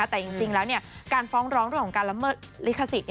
แต่จริงแล้วการฟ้องร้องเรื่องของการละเมิดลิขสิทธิ์